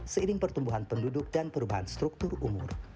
seiring pertumbuhan penduduk dan perubahan struktur umur